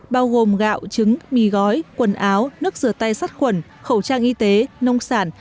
bao gồm gạo trứng mì gói quần áo nước rửa tay sát khuẩn khẩu trang y tế nông sản